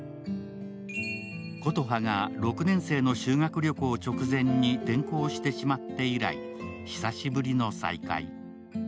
琴葉が６年生の修学旅行直前に転校してしまって以来、久しぶりの再会。